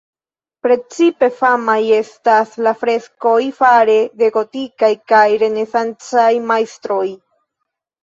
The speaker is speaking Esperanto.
Precipe famaj estas la freskoj fare de gotikaj kaj renesancaj majstroj.